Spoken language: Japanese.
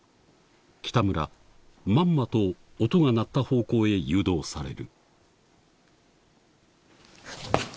北村、まんまと音が鳴った方向へ誘導される。